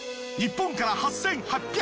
日本から８，８００ｋｍ